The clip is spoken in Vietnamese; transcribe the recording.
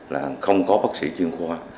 là không có bác sĩ chuyên khoa